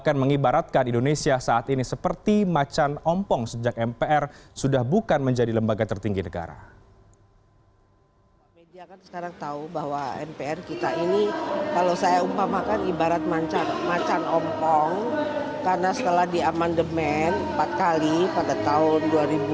kita ini kalau saya umpamakan ibarat macan macan ompong karena setelah di amandemen empat kali pada tahun dua ribu satu